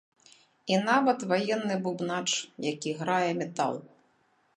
І нават ваенны бубнач, які грае метал!